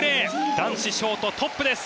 男子ショートトップです。